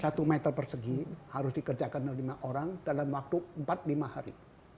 satu meter persegi harus dikerjakan oleh lima orang dalam waktu empat lima hari